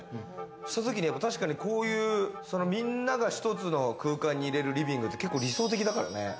そういうときに確かにみんなが１つの空間に入れるリビングって結構理想的だからね。